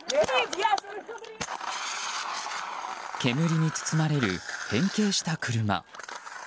煙に包まれる変形した車。